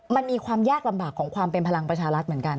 มันมีความยากลำบากของความเป็นพลังประชารัฐเหมือนกัน